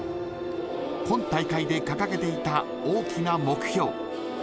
今大会で掲げていた大きな目標。